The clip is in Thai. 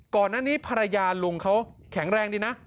ก่อนหน้านี้ภรรยาลุงเขาแข็งแรงดีนะ